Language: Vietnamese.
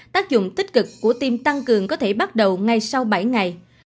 tác dụng tích cực của tim tăng cường có thể bắt đầu ngay sau bảy ngày